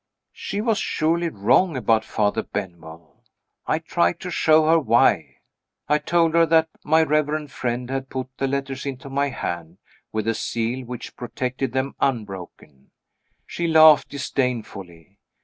She was surely wrong about Father Benwell? I tried to show her why. I told her that my reverend friend had put the letters into my hand, with the seal which protected them unbroken. She laughed disdainfully.